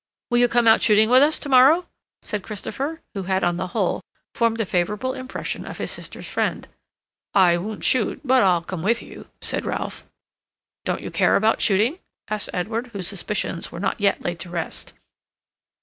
"Will you come out shooting with us to morrow?" said Christopher, who had, on the whole, formed a favorable impression of his sister's friend. "I won't shoot, but I'll come with you," said Ralph. "Don't you care about shooting?" asked Edward, whose suspicions were not yet laid to rest.